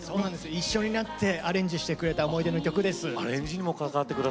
一緒になってアレンジしてくれた思い出の曲です。